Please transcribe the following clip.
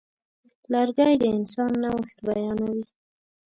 لرګی د انسان نوښت بیانوي.